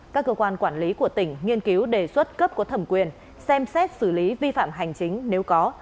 các cơ quan quản lý của tỉnh nghiên cứu đề xuất cấp có thẩm quyền xem xét xử lý vi phạm hành chính nếu có